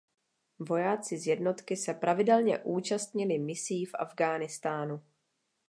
Vojáci z jednotky se pravidelně účastnili misí v Afghánistánu.